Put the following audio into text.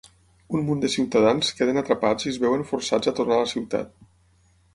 Un munt de ciutadans queden atrapats i es veuen forçats a tornar a la ciutat.